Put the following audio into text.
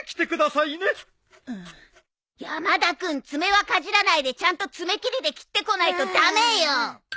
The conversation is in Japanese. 山田君爪はかじらないでちゃんと爪切りで切ってこないと駄目よ。